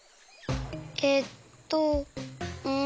えっとうん。